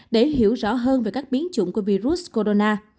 để hiểu rõ hơn về các biến chủng của virus corona